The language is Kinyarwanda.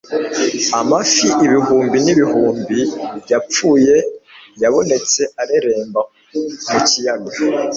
amafi ibihumbi n'ibihumbi yapfuye yabonetse areremba mu kiyaga